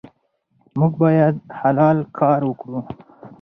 موږ باید حلال کار وکړو.